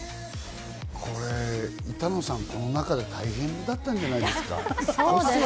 板野さん、この中で大変だったんじゃないですか？